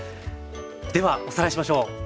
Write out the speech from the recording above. ではおさらいしましょう。